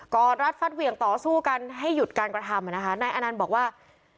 อดรัดฟัดเหวี่ยงต่อสู้กันให้หยุดการกระทำอ่ะนะคะนายอนันต์บอกว่า